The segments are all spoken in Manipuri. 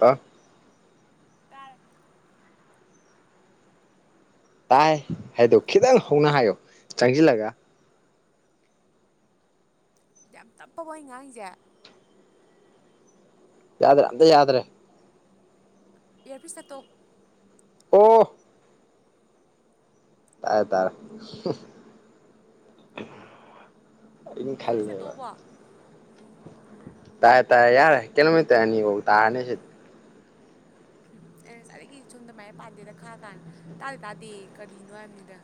ꯑ ꯇꯔ ꯇꯥꯏ ꯍꯥꯏꯗꯣ ꯈꯤꯇꯪ ꯍꯧꯅ ꯍꯥꯏꯌꯣ ꯆꯪꯁꯤꯜꯂꯒ ꯌꯥꯝ ꯇꯞꯄꯕ ꯉꯥꯡꯁꯦ ꯌꯥꯗ꯭ꯔꯦ ꯑꯝꯇ ꯌꯥꯗ꯭ꯔꯦ ꯏꯔ ꯄꯁꯠꯇꯣ ꯑꯣꯐ ꯇꯥꯏꯦ ꯇꯥꯔ ꯏ ꯈꯜ ꯏꯌꯥꯔꯄꯤꯁ ꯂꯩꯕ ꯇꯠꯇꯣꯕꯣ ꯑꯩꯅ ꯇꯥꯏ ꯇꯥꯏ ꯌꯥꯔ ꯀꯦꯜꯃ ꯇꯅꯤꯕ ꯇꯥꯔꯅꯦ ꯁꯤ ꯎꯝ ꯑꯩ ꯉꯁꯥꯏꯗꯒꯤ ꯁꯣꯝꯗꯃꯥꯏꯅ ꯄꯥꯟꯗꯦꯗ ꯈꯥ ꯀꯥꯟꯗ ꯇꯥꯗꯦ ꯇꯥꯗꯦ ꯀꯔꯤꯅꯣ ꯍꯥꯏꯕꯅꯤꯗ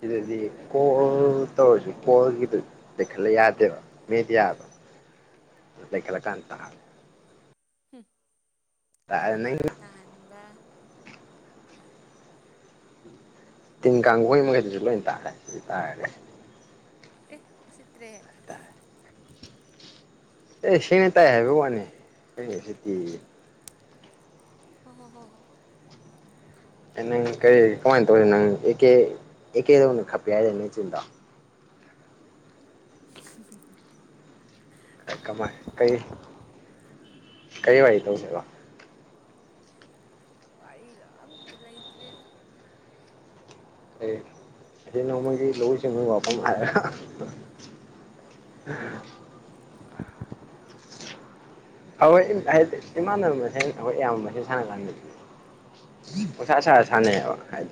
ꯁꯤꯗꯗꯤ ꯀꯣꯜ ꯇꯧꯔꯁꯨ ꯀꯣꯜꯒꯤꯗ ꯂꯩꯈꯠꯂ ꯌꯥꯗꯦꯕ ꯃꯤꯗꯤꯌꯥ ꯈꯂꯀꯥꯟ ꯇ ꯎꯝ ꯇꯥꯔꯦ ꯑꯩꯉꯣꯟꯗ ꯅꯪ ꯑꯔꯥꯟ ꯇꯥꯍꯟꯕ ꯇꯤꯟ ꯀꯥꯡꯈꯨꯣꯏ ꯃꯈꯩꯗꯨꯁꯨ ꯂꯣꯏ ꯇꯥꯔꯦ ꯇꯥꯔꯦ ꯑꯦ ꯎ ꯎꯁꯤꯠꯇꯔꯦ ꯑꯦ ꯁꯦꯡꯅ ꯇꯥꯏ ꯍꯥꯏꯕ ꯋꯥꯅꯤ ꯑꯖꯤꯛꯇꯤ ꯍꯣꯏ ꯍꯣ ꯍꯣꯏ ꯍꯣꯏ ꯅꯪ ꯀꯔꯤ ꯀꯃꯥꯏꯅ ꯇꯧꯔꯤ ꯅꯪꯀꯦ ꯑꯦꯀꯦꯗ ꯈꯞꯄꯦ ꯍꯥꯏꯗ ꯅꯆꯤꯟꯗ ꯍ ꯍꯨꯝ ꯍꯨꯝ ꯀꯃꯥꯏ ꯀꯔꯤ ꯀꯔꯤ ꯋꯥꯔꯤ ꯇꯧꯁꯦꯕ ꯋꯥꯔꯤꯒ ꯑꯝꯇ ꯂꯩꯇ꯭ꯔꯦꯅ ꯑꯦ ꯁꯤ ꯅꯣꯡꯃꯒꯤ ꯂꯧꯎ ꯁꯤꯡꯎꯕ ꯋꯥꯐꯝ ꯍꯥꯏꯔ ꯎ [inaudible] ꯍꯣꯏ ꯍꯥꯏꯗꯤ ꯏꯃꯥꯟꯅꯕ ꯃꯁ ꯑꯩꯈꯣꯏ ꯑꯌꯥꯝꯕ ꯃ ꯁꯥꯟꯅ ꯀꯥꯟꯗꯗꯤ ꯁꯥ ꯁꯥ ꯁꯅꯦꯩꯕ ꯍꯥꯏ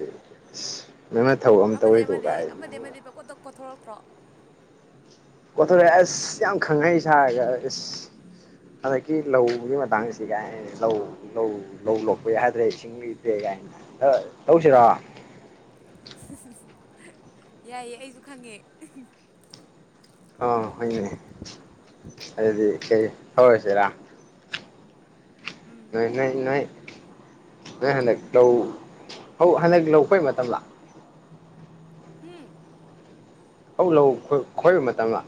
ꯉꯪꯅ ꯊꯧꯑꯣ ꯑꯃ ꯑꯃ ꯂꯩ ꯑꯃ ꯑꯃ ꯂꯩꯕ ꯀꯠꯇ ꯀꯣꯊꯣꯔꯛꯇ꯭ꯔꯣ ꯑꯣꯊꯣꯔꯦ ꯑꯁ ꯌꯥꯝ ꯈꯪꯉꯛꯩ ꯁꯥꯔꯒ ꯑꯁ ꯑꯗꯗꯒꯤ ꯂꯎꯒꯤ ꯃꯗꯥꯥꯡꯒ ꯁꯤꯒꯥꯏ ꯂꯧ ꯂꯧ ꯂꯧ ꯂꯣꯛꯄ ꯌꯥꯏ ꯍꯥꯏꯗ꯭ꯔꯦ ꯏꯁꯤꯡ ꯂꯩꯇꯦ ꯀꯥꯏꯅ ꯇꯧꯁꯤꯔꯥ ꯌꯥꯏꯌꯦ ꯑꯩꯁꯨ ꯈꯪꯉꯦ ꯎ ꯑꯥ ꯍꯣꯏꯅꯦ ꯑꯗꯨꯗꯤ ꯀꯩ ꯍꯧꯔꯁꯤꯔꯥ ꯎꯝ ꯅꯣꯏ ꯅꯣꯏ ꯅꯣꯏ ꯍꯟꯗꯛ ꯂꯧ ꯍꯟꯗꯛ ꯂꯧꯈꯣꯏ ꯃꯇꯝ ꯂꯥ ꯍꯝ ꯂꯧ ꯂꯧ ꯈꯣꯏꯕ ꯃꯇꯝꯗ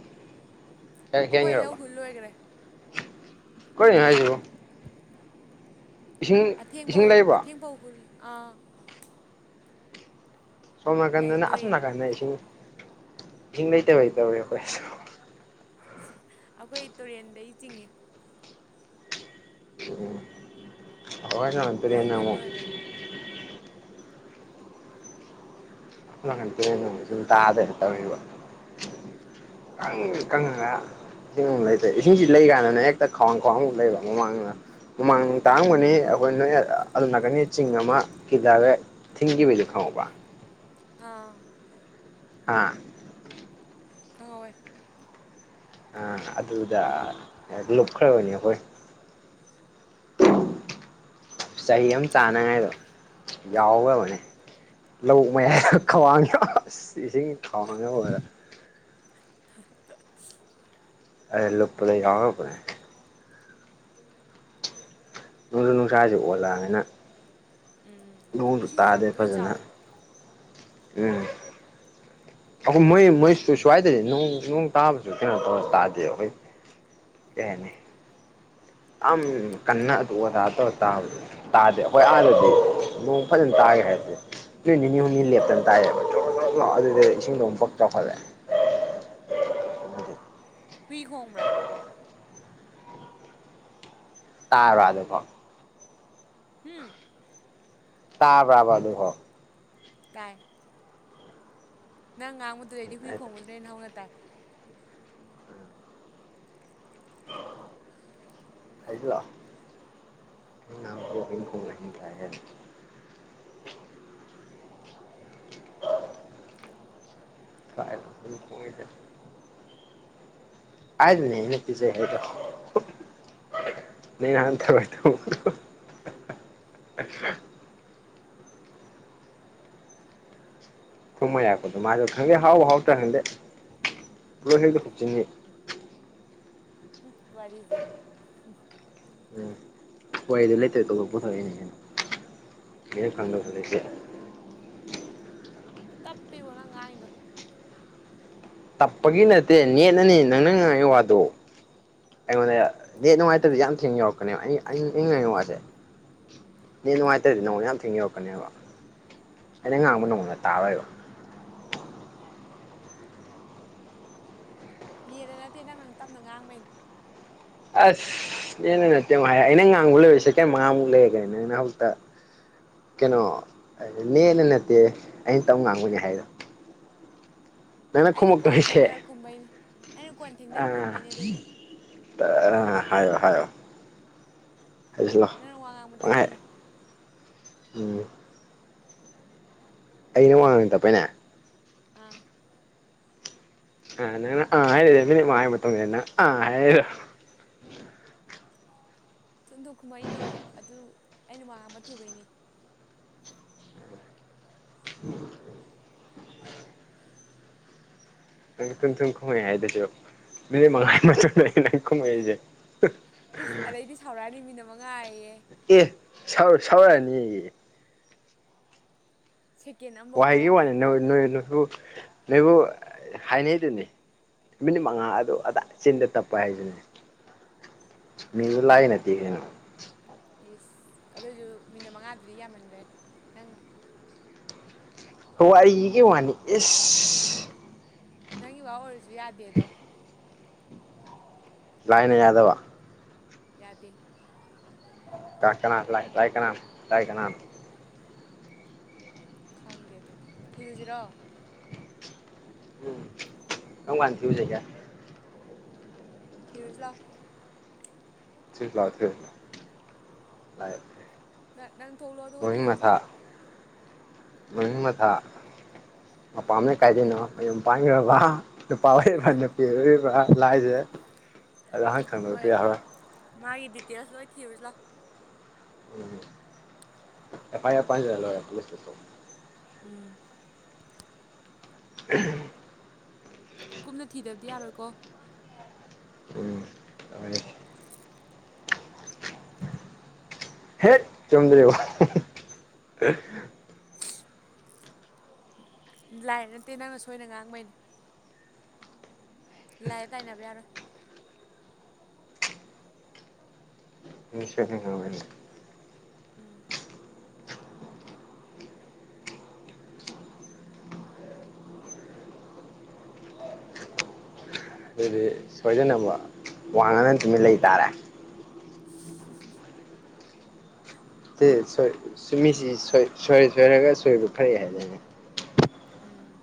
ꯑꯩꯈꯣꯏ ꯂꯧ ꯍꯨꯜ ꯂꯣꯏꯈꯔꯦ ꯀꯣꯏꯅ ꯍꯥꯏꯖꯔꯤꯕꯣ [inaudible] ꯑꯊꯦꯡꯕ ꯏꯁꯤꯡ ꯂꯩꯕ꯭ꯔꯣ ꯑꯊꯦꯡ ꯧꯍꯜ ꯑ ꯁꯣꯝ ꯂꯩ ꯅꯥꯀꯟꯗꯅ ꯑꯁꯣꯝ ꯇꯨꯔꯦꯟ ꯅꯥꯀꯟꯗ ꯏꯁꯤꯡ ꯏꯁꯤꯡ ꯂꯩꯇꯕꯩꯇꯧꯋꯦ ꯑꯩꯈꯣꯏ ꯑꯩꯈꯣꯏ ꯇꯨꯔꯦꯟꯗꯩ ꯆꯤꯡꯏ ꯎ ꯑꯥꯏ ꯂꯧ ꯍꯨꯜ ꯐꯔꯤꯅꯣ ꯂꯣꯏꯈ꯭ꯔꯦ ꯇꯥꯗꯔ ꯀꯪꯉꯒ ꯏꯁꯤꯡꯃꯛ ꯂꯩꯇ꯭ꯔꯦ ꯏꯁꯤꯡꯁꯤ ꯂꯩ ꯀꯥꯟꯗꯅ ꯍꯦꯛꯇ ꯈ꯭ꯋꯥꯡ ꯈ꯭ꯋꯥꯡꯃꯛ ꯂꯩꯕ ꯃꯃꯥꯡꯗꯅ ꯃꯃꯥꯡ ꯇꯥꯔꯝꯒꯅꯤ ꯑꯩꯈꯣꯏ ꯅꯣꯏ ꯑꯗꯨ ꯂꯥꯛꯀꯅꯤ ꯆꯤꯡ ꯑꯃ ꯀꯤꯗꯥꯔꯦ ꯊꯤꯡꯒꯤꯕꯤ ꯂ ꯈꯕ ꯑꯥ ꯍꯥꯥ ꯈꯪꯍꯧꯌꯦ ꯑꯗꯨꯗ ꯂꯨꯞ ꯈꯔ ꯑꯣꯏꯅꯤ ꯑꯩꯈꯣꯏ ꯆꯍꯤ ꯑꯃ ꯆꯥꯅꯉꯥꯏꯗꯣ ꯌꯥꯎꯈ꯭ꯔꯕꯅꯦ ꯂ ꯃꯌꯥꯏꯗ ꯈꯋꯥꯡꯅ ꯏꯁꯤꯡ ꯈꯋꯥꯡꯅ ꯑꯣꯏꯔ ꯑ ꯑꯩ ꯂꯨꯞꯄ ꯂꯩ ꯌꯥꯎꯕꯅꯦ ꯅꯅꯨꯡꯖꯨ ꯅꯨꯡꯁꯥꯥꯁꯦ ꯑꯣꯜꯂꯛꯑꯅꯤꯅ ꯎꯝ ꯏꯁꯤꯡꯁꯨ ꯌꯥꯝ ꯇꯣꯏꯅ ꯐꯖꯅ ꯆꯥꯎꯋꯦ ꯎꯝ ꯑꯩꯈꯣꯏ ꯃꯣꯏ ꯃꯣꯏꯁꯨꯨ ꯁ꯭ꯋꯥꯏꯗꯗꯤ ꯅꯣꯡ ꯇꯥꯕꯁꯨ ꯀꯩꯅꯣ ꯇꯧꯔ ꯇꯥꯗꯦ ꯑꯩꯈꯣꯏ ꯌꯥꯅꯦ ꯑꯝ ꯀꯅꯥ ꯑꯗꯨꯗ ꯇꯧꯔ ꯇꯥꯗꯦ ꯑꯩꯈꯣꯏ ꯑꯥꯗꯗꯤ ꯅꯣꯡ ꯐꯖꯅ ꯇꯥꯒꯦ ꯍꯥꯏꯁꯦ ꯅꯨ ꯅꯤꯅꯤ ꯍꯨꯝꯅꯤ ꯃꯤ ꯂꯦꯞꯇꯅ ꯎꯝ ꯇꯥꯏꯌꯦꯕ ꯑꯗꯨꯗ ꯏꯁꯤꯡꯗꯣ ꯑꯃꯨꯛ ꯄꯛ ꯆꯥꯎꯈꯠꯂꯦ ꯑꯗꯨꯗꯤ ꯍꯨꯏ ꯈꯣꯡꯕ꯭ꯔꯥ ꯇꯥꯕꯔꯗꯨꯕꯣ ꯎꯝ ꯇꯥꯕ꯭ꯔꯕ ꯗꯨꯐꯥꯎ ꯍꯣ ꯇꯥꯏ ꯅꯪ ꯉꯥꯡꯕꯗꯨꯗꯩꯗꯤ ꯍꯨꯏ ꯈꯣꯡꯕꯗ꯭ꯔꯦꯅ ꯍꯧꯅ ꯇꯥꯏ ꯐꯩꯖꯂꯥ ꯀ ꯇꯥꯏ ꯀꯗ ꯍꯥꯏꯗꯅꯦ ꯌꯦꯅ ꯄꯁꯦ ꯍꯗ ꯅꯪ ꯅꯍꯟ ꯑ ꯊꯨꯝꯃꯣꯏ ꯌꯥꯀꯣ ꯃꯥ ꯈꯪꯗꯦ ꯍꯥꯎ ꯍꯥꯎ ꯇ ꯈꯪꯗꯦ ꯕꯣꯏꯆ ꯇꯥꯗꯦ ꯃꯒꯤꯁꯦ ꯂ ꯍꯒ ꯆꯅꯤ ꯎ ꯋꯥꯔꯤꯖꯦ ꯎꯝ ꯍꯣꯏ ꯑꯗꯨ ꯂꯩꯇ꯭ꯔꯣꯏ ꯇꯣꯊꯣꯛ ꯄꯨꯊꯣꯛꯏꯅꯦꯟꯅ ꯍꯟꯅ ꯈꯪꯗꯕꯁꯨꯁꯦ ꯇꯞꯄꯤꯕꯣ ꯅꯪ ꯉꯥꯏꯗꯣ ꯇꯞꯄꯒꯤ ꯅꯠꯇꯦ ꯅꯦꯠꯅꯅꯤ ꯅꯪꯅ ꯉꯥꯡꯥꯏ ꯋꯥꯗꯣ ꯑꯩꯉꯣꯟꯗ ꯗꯦꯠ ꯅꯨꯡꯉꯥꯏꯇꯕꯗꯤ ꯌꯥꯝ ꯊꯦꯡꯅ ꯌꯧꯔꯛꯀꯅꯦꯕ ꯑꯩ ꯑ ꯅꯤꯡꯪꯉꯥꯏꯉ ꯋꯥꯁꯦ ꯅꯦꯠ ꯅꯨꯡꯉꯥꯏꯇ꯭ꯔꯦꯗꯤ ꯅꯉꯣꯟꯗ ꯌꯥꯝ ꯊꯦꯡꯅ ꯌꯧꯔꯛꯀꯅꯦꯕ ꯑꯩꯅ ꯉꯥꯡꯕ ꯅꯪꯉꯣꯟꯗ ꯇꯥꯔꯣꯏꯕ ꯅꯦꯠꯅ ꯅꯠꯇꯦ ꯅꯪ ꯅꯪꯅ ꯇꯞꯅ ꯉꯥꯡꯕꯩꯅꯤ ꯑꯁ ꯑꯦꯅ ꯅꯠꯇꯦ ꯑꯃꯨꯛ ꯍꯥꯏ ꯑꯩꯅꯪ ꯉꯥꯡꯕ ꯂꯩꯔꯤꯁꯦ ꯀꯩ ꯃꯉꯥꯃꯨꯛ ꯂꯩꯒꯦꯅ ꯅꯪ ꯍꯧꯖꯤꯛꯇ ꯀꯩꯅꯣ ꯂꯦꯅ ꯅꯠꯇꯦ ꯑꯩꯅ ꯇꯧ ꯉꯥꯡꯕꯅꯦ ꯍꯥꯏꯗ ꯅ ꯑꯩꯅ ꯈꯨꯃꯛ ꯀꯣꯟ ꯇꯕꯒꯤꯅꯦ ꯊꯦꯡꯗꯔ ꯈꯨꯝꯕꯩꯅꯤ ꯑꯩꯅ ꯀꯣꯟ ꯊꯦꯡꯗꯔ ꯑ ꯈꯨꯝꯕꯩꯅꯦ ꯑꯗꯨꯗꯤ ꯍꯥꯏꯌꯣ ꯍꯥꯏꯌꯣ ꯍꯥꯏꯖꯤꯜꯂꯣ ꯅꯪꯅ ꯋꯥ ꯉꯥꯡꯕ ꯄꯪꯍꯥꯏ ꯇꯞꯄꯩ ꯎꯝ ꯑꯩꯅ ꯋꯥꯃꯥꯡꯅ ꯇꯞꯄꯩꯅꯦ ꯑꯥ ꯑ ꯍꯥꯏ ꯔꯦꯃꯤꯅꯤ ꯃꯥꯏ ꯃ ꯃꯇꯝꯝ ꯑ ꯍꯥꯏ ꯊꯨꯝꯗꯣꯛ ꯀꯨꯝꯍꯩꯗꯣ ꯑꯗꯨ ꯑꯩꯅ ꯋꯥꯥꯡꯕ ꯊꯨꯕꯩꯅꯦ ꯎ ꯅꯪ ꯊꯨꯝ ꯊꯨꯝ ꯀꯨꯝꯍꯩ ꯍꯥꯏꯗꯁꯨ ꯃꯤꯅꯤꯠ ꯃꯉꯥꯅꯤ ꯃꯇꯨꯡ ꯂꯩ ꯅꯪ ꯀꯨꯝꯍꯩꯁꯦ ꯏꯁ ꯑꯗꯩꯗꯤ ꯁꯥꯎꯔꯛꯑꯅꯤ ꯃꯤꯅ ꯃꯉꯥꯏꯌꯦ ꯑꯦ ꯁꯥꯎ ꯁꯥꯎꯔꯅꯤꯌꯦ ꯁꯦꯀꯦꯟ ꯑꯝ ꯋꯥꯍꯩꯒꯤ ꯋꯥꯅꯤ ꯅꯣꯏ ꯅꯣꯏ ꯅꯣꯏꯕꯨ ꯅꯣꯏꯕꯨ ꯍꯥꯏꯅꯩꯗꯨꯅꯤ ꯃꯤꯅꯤꯠ ꯃꯉꯥ ꯑꯗꯨ ꯑꯗꯥ ꯆꯤꯟꯗ ꯇꯞꯄ ꯍꯥꯏꯁꯤꯅꯦ ꯃꯤꯖꯨ ꯂꯥꯏ ꯅꯠꯇꯦ ꯀꯩꯅꯣ ꯏꯁ ꯑꯗꯨ ꯑꯣꯏꯖꯨ ꯃꯤꯅꯤꯠ ꯃꯉꯥ ꯗꯨ ꯌꯥꯝ ꯃꯥꯟ ꯒꯔꯦ ꯅꯪ ꯍꯣ ꯑꯩꯒꯤ ꯉꯥꯡꯉꯤꯗꯣ ꯋꯥꯅꯤ ꯏꯁ ꯅꯪꯒꯤ ꯋꯥ ꯑꯣꯏꯖꯨ ꯌꯥꯗꯦꯗꯣ ꯂꯥꯏꯅ ꯌꯥꯗꯕ ꯌꯥꯗꯦ ꯀꯥꯏ ꯀꯅꯥ ꯂꯥꯏ ꯇꯥꯏ ꯀꯅꯥ ꯇꯥꯏ ꯀꯅꯥ [inaudible] ꯈꯪꯗꯦ ꯑꯗꯨꯗꯤ ꯊꯤꯔꯨꯖꯤꯔꯣ ꯎꯝ ꯀꯝ ꯀꯥꯟ ꯊꯤꯔꯨꯖꯤꯒꯦ ꯊꯤꯔꯨꯖꯤ ꯂꯥꯎ ꯊꯤꯌꯨꯖꯤ ꯂꯥꯎ ꯅꯪ ꯅꯪ ꯊꯣꯛꯂꯛꯑꯣ ꯑꯗꯨꯒ ꯃꯃꯤꯡ ꯊꯤꯔꯨꯖꯤ ꯃꯊꯥ ꯂꯥꯎ ꯃꯃꯤꯡ ꯃꯊꯥ ꯃꯄꯥꯝꯅ ꯀꯥꯏꯗꯩꯅꯣ ꯃꯌꯨꯝ ꯄꯥꯟꯒ꯭ꯔꯕ ꯅꯨꯄꯥ ꯑꯣꯏꯕ꯭ꯔꯥ ꯅꯨꯄꯤ ꯑꯣꯔꯤꯏꯕ꯭ꯔꯥ ꯂꯥꯏꯖꯦ ꯍꯣꯏ ꯃꯥꯒꯤ ꯗꯤꯇꯦꯜꯁ ꯂꯣꯏ ꯊꯤꯔꯨꯖꯤ ꯂꯥꯎ ꯎꯝ ꯑꯦꯐ ꯑꯥꯏ ꯑꯔ ꯄꯥꯖꯤꯟꯂ ꯂꯣꯏꯔꯦ ꯄꯨꯂꯤꯁ ꯇꯥꯁꯨ ꯎꯝ [unintelligible] ꯀꯨꯞꯅ ꯊꯤꯗꯕꯗꯤ ꯌꯥꯔꯣꯏꯀꯣ ꯎꯝ [unintelligible] ꯍꯦꯛ ꯇꯨꯝꯗꯔꯤꯕꯨꯛ [unintelligible] ꯂꯥꯏꯔꯦ ꯅꯠꯇꯦ ꯅꯪꯅ ꯁꯣꯏꯅ ꯉꯥꯡꯕꯩꯅꯦ ꯂꯥꯏꯗ ꯇꯥꯏꯅꯕ ꯌꯥꯔꯣꯏ ꯃꯤꯁꯦ ꯉꯥꯎꯔꯦꯅꯦ ꯎꯝ ꯑꯗꯨꯗꯤ ꯁꯣꯏꯗꯅꯕ ꯋꯥꯡꯅꯅ ꯇꯨꯃꯤꯠ ꯂꯩꯇꯥꯥꯔꯦ [unintelligible] ꯇꯦ ꯁꯤꯃꯤ ꯁꯣꯏꯔꯦ ꯁꯣꯏꯔꯒ ꯁꯣꯏꯕ ꯐꯔꯦ ꯍꯥꯏꯗꯥꯏꯅꯦ ꯎꯝ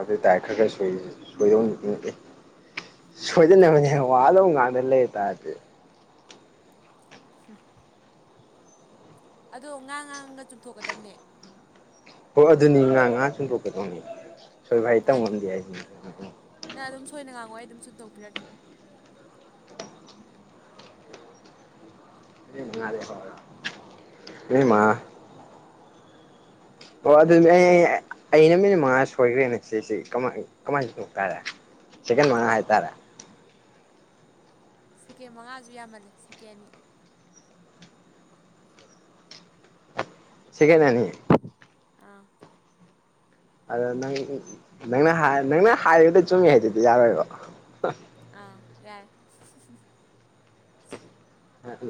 ꯑꯗꯨ ꯇꯥꯏ ꯈꯔ ꯈꯔ ꯁꯣꯏꯗꯣꯛ ꯎꯝ ꯁꯣꯏꯗꯅꯕꯅꯦ ꯋꯥꯪ ꯑꯗꯨꯝ ꯉꯥꯡꯅ ꯂꯩꯇꯔꯗꯤ ꯎꯝ ꯑꯗꯣ ꯉꯥ ꯉꯥꯡꯒ ꯆꯨꯝꯊꯣꯛꯀꯗꯕꯅꯦ ꯍꯣꯏ ꯑꯗꯨꯅꯤ ꯉꯥꯡ ꯉꯥꯡ ꯆꯨꯝꯗꯣꯛꯀꯗꯧꯅꯤ ꯁꯣꯏꯕ ꯍꯥꯏ ꯃꯥꯅꯦ ꯇꯝꯉꯝꯗꯦ ꯍꯥꯏꯁꯤꯅꯤ ꯅꯪ ꯑꯗꯨꯝ ꯁꯣꯏꯅ ꯉꯥꯡꯉꯣ ꯑꯩ ꯑꯗꯨꯝ ꯆꯨꯝꯗꯣꯛꯄꯤꯔꯒꯦ [unintelligible] ꯑꯣ ꯑꯗꯨꯗꯤ ꯑꯩ ꯑꯩꯅ ꯃꯤꯅꯤꯠ ꯃꯉꯥ ꯁꯣꯏꯈ꯭ꯔꯦꯅꯦ ꯁꯤꯁꯤ ꯀꯃꯥꯏ ꯀꯃꯥꯏ ꯇꯧ ꯇꯥꯔꯦ ꯁꯦꯀꯦꯟ ꯃꯉꯥ ꯍꯥꯏ ꯇꯔꯦ ꯁꯦꯀꯦꯟ ꯃꯉꯥꯖꯨ ꯌꯥꯝꯃꯜꯂꯦ ꯁꯦꯀꯦꯟ ꯑꯅꯤ ꯁꯦꯀꯦꯟ ꯑꯅꯤ ꯑꯥ ꯑꯗꯣ ꯅꯪ ꯅꯪꯅ ꯅꯪꯅ ꯍꯥꯏꯔꯤꯕꯗ ꯆꯨꯝꯃꯤ ꯍꯥꯏꯗꯨꯗꯤ ꯌꯥꯔꯣꯏꯕ ꯑꯥ ꯌꯥꯏ ꯑꯗꯨ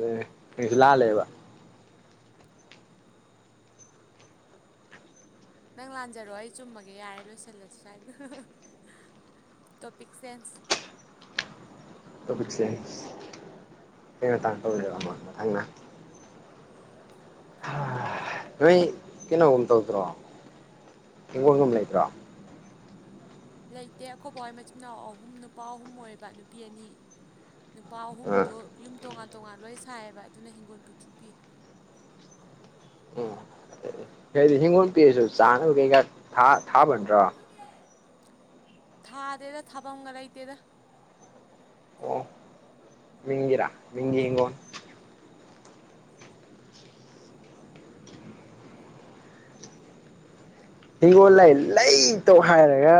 ꯑꯩꯁꯨ ꯂꯥꯜꯂꯦꯕ ꯅꯪ ꯂꯥꯟꯖꯔꯣ ꯑꯩ ꯆꯨꯝꯃꯒꯦ ꯌꯥꯔꯦ ꯂꯣꯏꯁꯤꯜꯂꯁꯤ ꯁ꯭ꯋꯥꯏꯗ ꯇꯣꯄꯤꯛ ꯆꯦꯟꯖ ꯇꯣꯄꯤꯛꯁꯦ ꯑꯩꯅ ꯃꯇꯥꯡ ꯇꯧꯖꯕ ꯑꯃ ꯃꯊꯪꯅ ꯅꯣꯏ ꯀꯩꯅꯣꯒꯨꯝ ꯇꯧꯗ꯭ꯔꯣ ꯍꯤꯡꯒꯣꯜꯒꯨꯝ ꯂꯩꯇ꯭ꯔꯣ ꯂꯩꯇꯦ ꯑꯩꯈꯣꯏ ꯕꯥꯍꯣꯢ ꯃꯆꯤꯟ ꯃꯅꯥꯎ ꯑꯍꯨꯝ ꯅꯨꯄꯥ ꯑꯍꯨꯝ ꯑꯣꯏꯕ ꯅꯨꯄꯤ ꯑꯅꯤ ꯅꯨꯄꯥ ꯑ ꯑꯍꯨꯝꯗꯣ ꯌꯨꯝ ꯇꯣꯉꯥꯟ ꯇꯣꯉꯥꯟ ꯂꯣꯏ ꯁꯥꯏꯌꯦꯕ ꯑꯗꯨꯅ ꯍꯤꯡꯒꯣꯜ ꯄꯤꯛꯇ꯭ꯔꯨ ꯄꯤꯛꯢ ꯍꯥꯏꯗꯤ ꯍꯤꯡꯒꯣꯜ ꯄꯦꯛꯑꯁꯨ ꯆꯥꯅꯕ ꯀꯩꯀꯥ ꯊꯥꯕ ꯅꯠꯇ꯭ꯔꯣ ꯊꯥꯗꯦꯗ ꯊꯥꯐꯝꯒ ꯂꯩꯇꯦꯗ ꯃꯤꯒꯤꯔꯥ ꯃꯤꯒꯤ ꯍꯤꯡꯒꯣꯟ ꯍꯤꯡꯒꯣꯜ ꯂꯩ ꯂꯩꯇꯧ ꯍꯥꯏꯔꯒ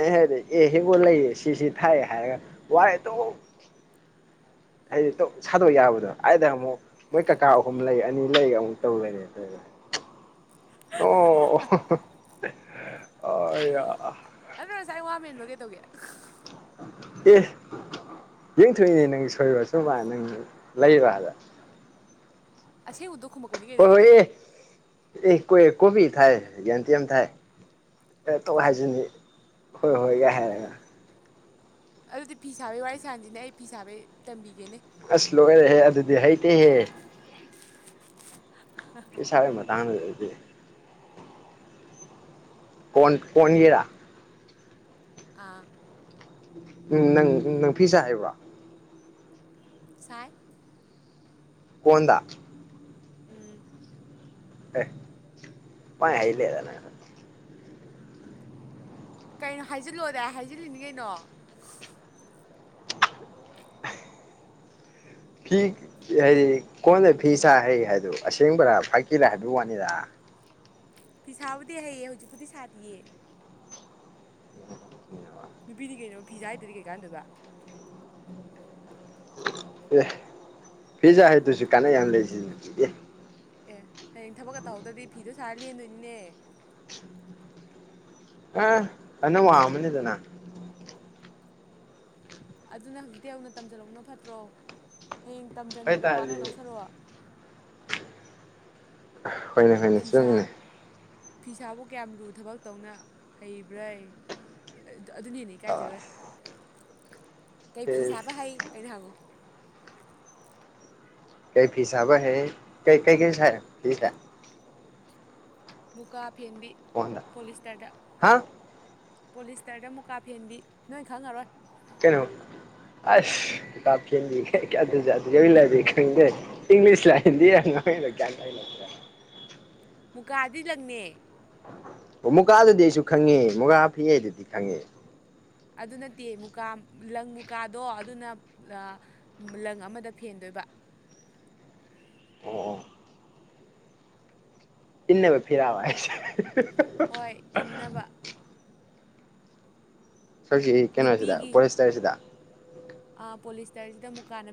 ꯑꯩ ꯍꯥꯢꯗꯤ ꯍꯤꯡꯒꯣꯜ ꯂꯩ ꯁꯤ ꯁꯤ ꯊꯥꯏ ꯍꯥꯏ ꯋꯥꯔꯤ ꯑꯗꯨꯝ ꯍꯥꯏꯗꯤ ꯁꯥꯡꯗꯣꯛ ꯌꯥꯕꯗꯣ ꯑꯩꯗ ꯑꯃꯨꯛ ꯃꯣꯏ ꯀꯀꯥ ꯑꯍꯨꯝ ꯂꯩ ꯑꯅꯤ ꯂꯩꯒ ꯑꯃꯨꯛ ꯇꯧ ꯂꯩ ꯑꯗꯨꯅ ꯑꯣ ꯑꯗꯨ ꯉꯁꯥꯏ ꯋꯥ ꯃꯦꯟꯕ ꯀꯩꯗꯧꯒꯦ ꯑꯦ ꯌꯦꯡꯊꯣꯛꯏꯅꯦ ꯅꯪ ꯁꯣꯏꯕꯁꯨ ꯃꯥ ꯅꯪ ꯂꯩꯕꯗ ꯑꯁꯦꯡꯕꯗꯣ ꯈꯨꯝꯃꯛꯄꯅꯤ ꯀꯩꯅꯣ ꯍꯣꯏ ꯍꯣꯏ ꯍꯥꯏꯗꯤ ꯑꯦ ꯑꯦ ꯀꯣꯕꯤ ꯊꯥꯏ ꯌꯦꯟꯗꯦꯝ ꯊꯥꯏ ꯊꯣꯛ ꯍꯥꯏꯁꯤꯅꯤ ꯍꯣꯏ ꯍꯣꯏꯒ ꯍꯥꯏꯔꯒ ꯑꯗꯨꯗꯤ ꯐꯤ ꯁꯥꯕꯩ ꯋꯥꯔꯤ ꯁꯥꯥꯟꯁꯤꯅꯦ ꯑꯩ ꯐꯤ ꯁꯥꯕꯩ ꯇꯝꯕꯤꯒꯦꯅꯦ ꯑꯁ ꯂꯣꯏꯔꯦꯍꯦ ꯑꯗꯨꯗꯤ ꯍꯩꯇꯦꯍꯦ ꯐꯤ ꯁꯥꯕꯒꯤ ꯃꯇꯥꯡꯗꯨꯗꯗꯤ ꯀꯣꯟ ꯄꯣꯟꯖꯦꯔꯥ ꯑꯥ ꯎꯝ ꯅꯪ ꯅꯪ ꯐꯤꯁ ꯍꯥꯏꯕ꯭ꯔꯣ ꯁꯥꯏ ꯀꯣꯟꯗ ꯎꯝ ꯑꯦ ꯄꯥꯏ ꯍꯥꯏ ꯂꯩꯔꯝꯃꯦꯅ ꯀꯩꯅꯣ ꯍꯥꯏꯖꯤꯜꯂꯣꯗꯥꯢ ꯍꯥꯏꯖꯤꯜꯂꯤꯅꯤ ꯀꯩꯅꯣ ꯐꯤ ꯍꯥꯏꯗꯤ ꯀꯣꯟꯗ ꯐꯤ ꯁꯥ ꯍꯩ ꯍꯥꯏꯗꯣ ꯑꯁꯦꯡꯕꯔꯥ ꯐꯥꯒꯤꯔꯥ ꯍꯥꯏꯕꯒꯤ ꯋꯥꯅꯤꯗ ꯐꯤꯁꯥꯕꯨꯗꯤ ꯍꯩꯌꯦ ꯍꯧꯖꯤꯛꯄꯨꯗꯤ ꯁꯥꯗꯤꯌꯦ ꯅꯨꯄꯤꯗꯤ ꯀꯩꯅꯣ ꯐꯤ ꯁꯥꯥ ꯍꯩꯇꯗꯤ ꯀꯩ ꯀꯥꯟꯗꯣꯢꯕ ꯑꯦ ꯐꯤ ꯁꯥ ꯍꯥꯏꯗꯨꯁꯨ ꯀꯥꯟꯅ ꯌꯥꯝ ꯂꯩꯁꯤ ꯑꯦ ꯑꯦ ꯍꯌꯦꯡ ꯊꯕꯛꯀ ꯇꯧꯍꯧꯗ꯭ꯔꯗꯤ ꯐꯤꯗꯣ ꯁꯥꯔ ꯂꯦꯟꯗꯣꯏꯅꯤꯅꯦ ꯑ ꯑꯗꯨꯅ ꯋꯥ ꯑꯃꯅꯤꯗꯅ ꯑꯗꯨꯅ ꯍꯧꯖꯤꯛꯇꯩ ꯍꯧꯅ ꯇꯝꯁꯤꯜꯍꯧꯕꯅ ꯐꯠꯇ꯭ꯔꯣ ꯍꯌꯦꯡ ꯇꯝꯁꯤꯟꯕꯗ ꯑꯣꯏꯇꯥꯔꯗꯤ ꯋꯥꯅꯗꯧ ꯁꯔꯨꯛ ꯍꯣꯏꯅꯦ ꯍꯣꯏꯅꯦ ꯐꯤꯁꯥ ꯆꯨꯝꯃꯤꯅꯦ ꯐꯤꯁꯥꯕꯨ ꯀꯌꯥꯝ ꯂꯨ ꯊꯕꯛ ꯇꯧꯅ ꯍꯩꯕ꯭ꯔꯩ ꯑꯗꯨꯅꯦ ꯍꯦꯟꯅ ꯢꯀꯥꯏꯖꯒ꯭ꯔꯦ [inaudible] ꯀꯩ ꯐꯤ ꯁꯥꯕ ꯍꯩ ꯑꯅ ꯍꯪꯉꯨ ꯀꯩ ꯐꯤ ꯁꯥꯕ ꯍꯩ ꯀꯩ ꯀꯩ ꯀꯩ ꯁꯥꯢ ꯐꯤꯁꯦ ꯃꯨꯀꯥ ꯐꯦꯟꯕꯤ ꯀꯣꯟꯗ ꯄꯣꯂꯤꯁꯇꯔꯗ ꯍꯥ ꯄꯣꯂꯤꯁꯇꯔꯗ ꯃꯨꯀꯥ ꯐꯦꯟꯕꯤ ꯅꯣꯏ ꯈꯪꯉꯔꯣꯏ ꯀꯩꯅꯣ ꯑꯁ ꯏꯪꯂꯤꯁ ꯂ ꯍꯤꯟꯗꯤ ꯔ ꯒ꯭ꯌꯥꯟ ꯇꯥꯗꯦ ꯃꯨꯀꯥꯗꯤ ꯂꯪꯅꯦ ꯑꯣ ꯃꯨꯒꯥꯥꯗꯨꯗꯤ ꯑꯩꯁꯨ ꯈꯪꯉꯦ ꯃꯨꯒꯥꯥ ꯐꯤ ꯑꯗꯨꯗꯤ ꯈꯪꯉꯦ ꯑꯗꯨ ꯅꯠꯇꯦ ꯃꯨꯀꯥ ꯂꯪ ꯃꯨꯀꯥꯗꯣ ꯑꯗꯨꯅ ꯂꯪ ꯑꯃꯗ ꯐꯦꯟꯗꯣꯏꯕ ꯑꯣ ꯑꯣ ꯏꯟꯅꯕ ꯐꯤꯔꯥꯕ ꯍꯥꯏꯁꯦ ꯍꯣꯏ ꯏꯟꯅꯕ ꯑꯩꯈꯣꯏꯒꯤ ꯀꯩꯅꯣꯁꯤꯗ ꯐꯣꯔꯦꯁꯇꯔꯁꯤꯗ ꯑꯥ ꯄꯣꯂꯤꯁꯇꯔꯁꯤꯗ ꯃꯨꯀꯥꯅ ꯐꯦ